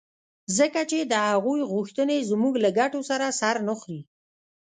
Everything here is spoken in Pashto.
ځکه چې د هغوی غوښتنې زموږ له ګټو سره سر نه خوري.